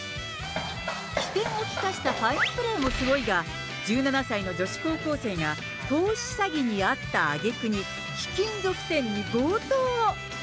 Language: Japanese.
機転を利かせたファインプレーもすごいが、１７歳の女子高校生が投資詐欺に遭ったあげくに、貴金属店に強盗。